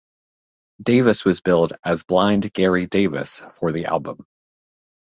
Davis was billed as Blind Gary Davis for the album.